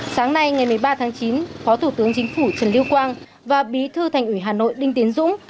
sáng nay ngày một mươi ba tháng chín phó thủ tướng chính phủ trần lưu quang và bí thư thành ủy hà nội đinh tiến dũng